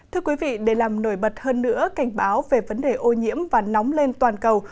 thưa quý vị để làm nổi bật hơn nữa cảnh báo về vấn đề ô nhiễm và nóng lên toàn cầu